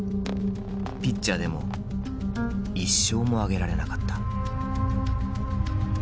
ピッチャーでも１勝もあげられなかった。